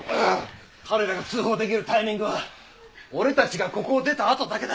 彼らが通報できるタイミングは俺たちがここを出たあとだけだ。